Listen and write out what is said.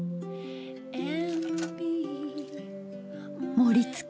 盛りつけ！